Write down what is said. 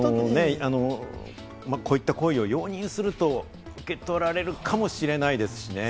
こういった行為を容認すると受け取られるかもしれないですしね。